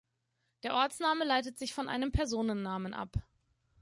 Der Ortsname leitet sich von einem Personennamen ab.